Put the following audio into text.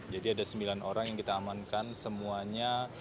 jadi ada sembilan orang yang kita amankan semuanya